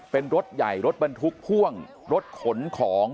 เป็นรถใหญ่รถบรรทุกพ่วงรถขนของ